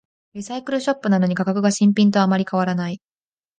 リサイクルショップなのに価格が新品とあまり変わらない